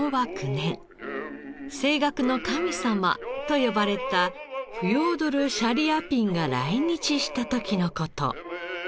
「声楽の神様」と呼ばれたフョードル・シャリアピンが来日した時の事。